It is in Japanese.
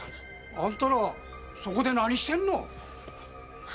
あんたらそこで何してるの？